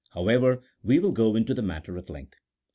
However, we will go into the matter at length.